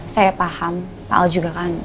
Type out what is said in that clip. saya paham pak al juga kan